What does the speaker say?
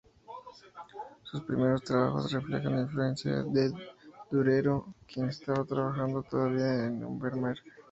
Sus primeros trabajos reflejan la influencia de Durero, quien estaba trabajando todavía en Núremberg.